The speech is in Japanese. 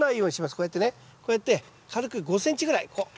こうやってねこうやって軽く５ｃｍぐらいこう。